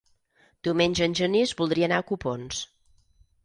Diumenge en Genís voldria anar a Copons.